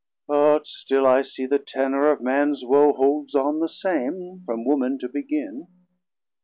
But still I see the tenor of Mans woe Holds on the same, from Woman to begin.